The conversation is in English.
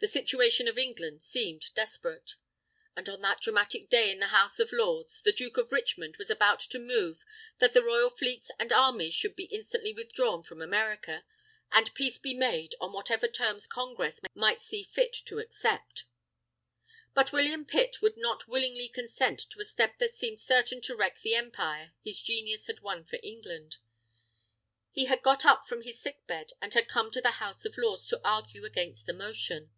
The situation of England seemed desperate. And on that dramatic day in the House of Lords, the Duke of Richmond was about to move that the royal fleets and armies should be instantly withdrawn from America, and peace be made on whatever terms Congress might see fit to accept. But William Pitt would not willingly consent to a step that seemed certain to wreck the Empire his genius had won for England. He had got up from his sick bed, and had come into the House of Lords to argue against the motion.